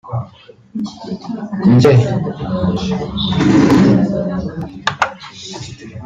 njy